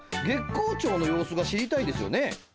月光町の様子が知りたいんですよね？